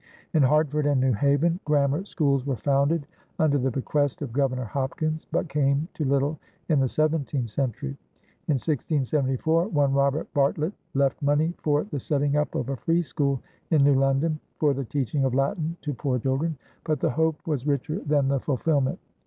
In Hartford and New Haven, grammar schools were founded under the bequest of Governor Hopkins, but came to little in the seventeenth century. In 1674, one Robert Bartlett left money for the setting up of a free school in New London, for the teaching of Latin to poor children, but the hope was richer than the fulfilment.